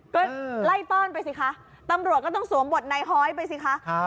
ก็ไล่ต้อนไปสิคะตำรวจก็ต้องสวมบทนายฮ้อยไปสิคะ